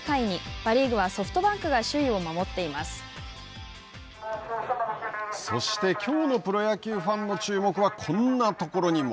パ・リーグはソフトバンクがそして、きょうのプロ野球ファンの注目は、こんな所にも。